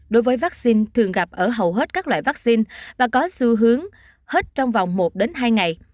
đối với vaccine thường gặp ở hầu hết các loại vaccine và có xu hướng hết trong vòng một hai ngày